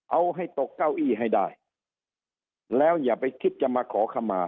เอาให้ตกเก้าอี้ให้ได้แล้วอย่าไปคิดจะมาขอขมา